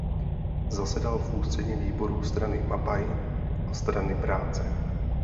Zasedal v ústředním výboru strany Mapaj a Strany práce.